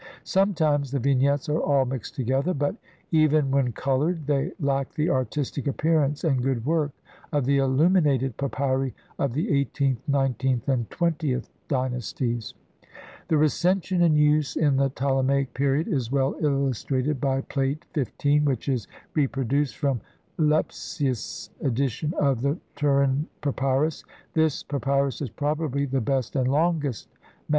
Sometimes the Vignettes are all mixed together, but, even when coloured, they lack the artistic appearance and good work of the illuminated papyri of the eighteenth, nineteenth, and twentieth dynasties. The Recension in use in the Ptolemaic period is well illustrated by Plate XV, which is reproduced from Lepsius' edition of the Turin Papyrus ; this pa pyrus is probably the best and longest MS.